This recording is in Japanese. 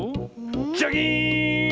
ジャキーン！